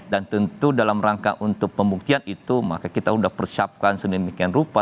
dan tentu dalam rangka untuk pembuktian itu maka kita sudah persiapkan sedemikian rupa